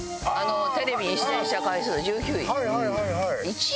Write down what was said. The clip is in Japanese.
テレビに出演した回数１９位。